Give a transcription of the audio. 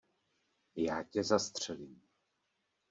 Já tě zastřelím!